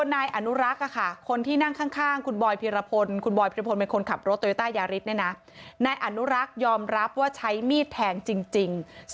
นายอนุรักษ์ค่ะคนที่นั่งข้างข้าง